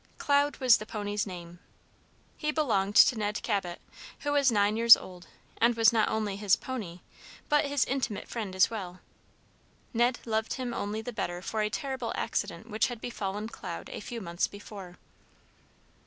"Cloud" was the pony's name. He belonged to Ned Cabot, who was nine years old, and was not only his pony, but his intimate friend as well. Ned loved him only the better for a terrible accident which had befallen Cloud a few months before.